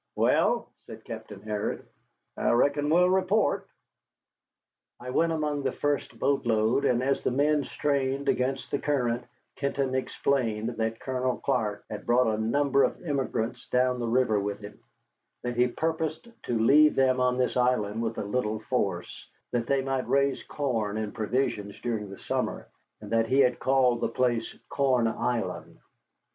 "Well," said Captain Harrod, "I reckon we'll report." I went among the first boat load, and as the men strained against the current, Kenton explained that Colonel Clark had brought a number of emigrants down the river with him; that he purposed to leave them on this island with a little force, that they might raise corn and provisions during the summer; and that he had called the place Corn Island.